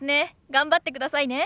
頑張ってくださいね。